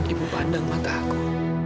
ibu pandang mata aku